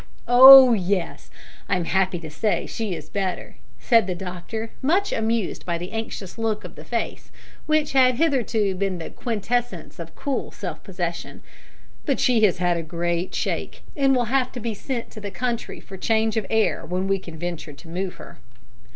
"Oh, yes! I am happy to say she is better," said the doctor, much amused by the anxious look of the face, which had hitherto been the quintessence of cool self possession. "But she has had a great shake, and will have to be sent to the country for change of air when we can venture to move her."